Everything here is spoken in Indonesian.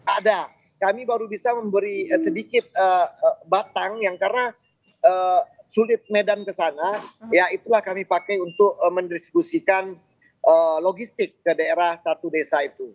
ada kami baru bisa memberi sedikit batang yang karena sulit medan ke sana ya itulah kami pakai untuk mendistribusikan logistik ke daerah satu desa itu